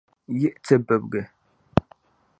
yiɣi ti bibigi.